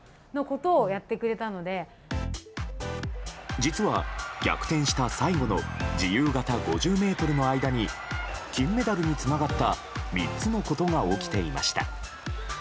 実は、逆転した最後の自由形５０ｍの間に金メダルにつながった３つのことが起きていました。